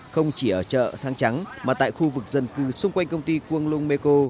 không chỉ ở chợ sang trắng mà tại khu vực dân cư xung quanh công ty konglung meiko